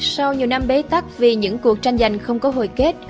sau nhiều năm bế tắc vì những cuộc tranh giành không có hồi kết